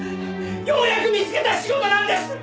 ようやく見つけた仕事なんです！